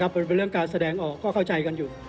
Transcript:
มันเป็นเรื่องการแสดงออกก็เข้าใจกันอยู่